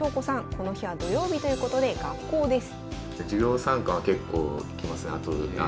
この日は土曜日ということで学校です。